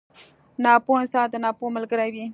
ناپوه انسان د ناپوه ملګری وي.